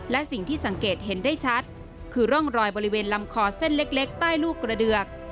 และสิ่งที่สังเกตเห็นได้ชัดคือร่องรอยบริเวณลำคอเส้นเล็กใต้ลูกกระเดือก